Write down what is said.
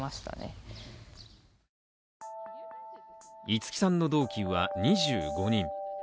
いつきさんの同期は２５人。